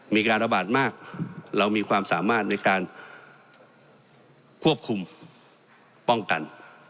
มีการระบาดมากเรามีความสามารถในการควบคุมป้องกัน